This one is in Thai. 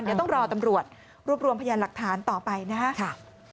เดี๋ยวต้องรอตำรวจรวบรวมพยานหลักฐานต่อไปนะครับ